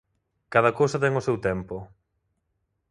Cada cousa ten o seu tempo.